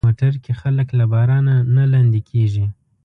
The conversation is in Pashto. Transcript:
موټر کې خلک له بارانه نه لندي کېږي.